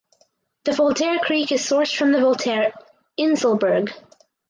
The Voltaire Creek is sourced from the Voltaire Inselberg.